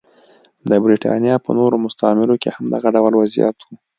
د برېټانیا په نورو مستعمرو کې هم دغه ډول وضعیت و.